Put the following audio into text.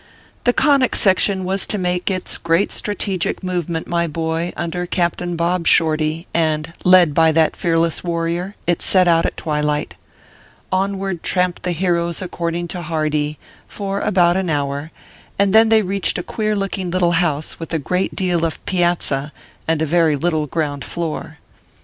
The Conic Section was to make its great strategic movement, my boy, under Captain Bob Shorty ; and, ORPHEUS C. KERR PAPERS. 257 led by that fearless warrior, it set out at twilight. Onward tramped the heroes according to Hardee, for about an hour, and then they reached a queer look ing little house with a great deal of piazza and a very little ground floor.